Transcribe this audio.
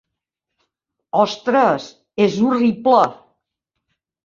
Ostres, és horrible!